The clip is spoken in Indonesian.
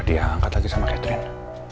hadiah angkat lagi sama catherine